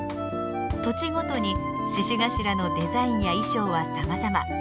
土地ごとに鹿頭のデザインや衣装はさまざま。